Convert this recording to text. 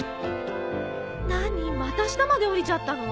何また下まで下りちゃったの？